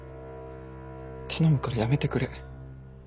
頼むからやめてくれ。